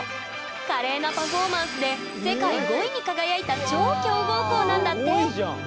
華麗なパフォーマンスで世界５位に輝いた超強豪校なんだって！